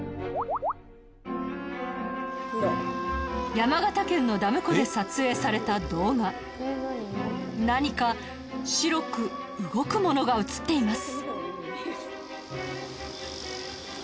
山形県のダム湖で撮影された動画何か白く動くものが映っています